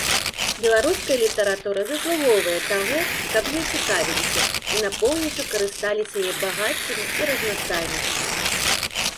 Беларуская літаратура заслугоўвае таго, каб ёй цікавіліся і напоўніцу карысталіся яе багаццямі і разнастайнасцю.